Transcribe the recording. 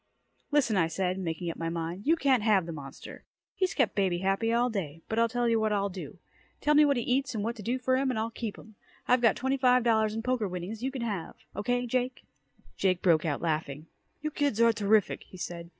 "Listen," I said, making up my mind. "You can't have the monster. He's kept baby happy all day. But I'll tell you what I'll do. Tell me what he eats and what to do for him and I'll keep him. I've got twenty five dollars in poker winnings you can have. Okay Jake?" Jake broke out laughing. "You kids are terrific," he said.